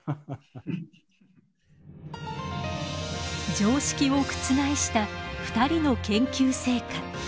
常識を覆した２人の研究成果。